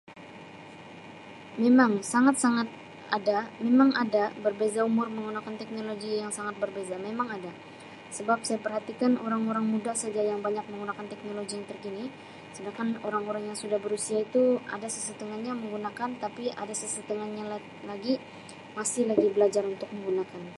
Memang sangat-sangat ada, memang ada berbeza umur menggunakan teknologi yang sangat berbeza memang ada, sebab saya perhatikan orang-orang muda seja yang banyak menggunakan teknologi yang terkini sedangkan orang-orang yang sudah berusia itu ada sesetengahnya menggunakan tapi ada sesetengahnya la-lagi masih lagi belajar untuk menggunakannya.